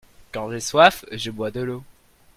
quand j'ai soif je bois de l'eau.